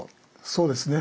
そうですね